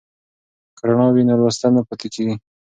که رڼا وي نو لوستل نه پاتې کیږي.